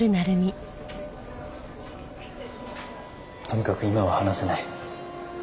とにかく今は話せない。